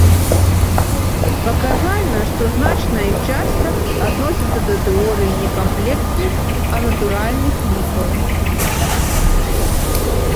Паказальна, што значная іх частка адносіцца да тэорыі не камплексных, а натуральных лікаў.